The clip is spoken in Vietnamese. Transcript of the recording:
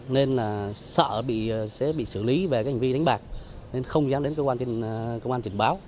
nên sợ sẽ bị xử lý về hành vi đánh bạc nên không dám đến cơ quan trình báo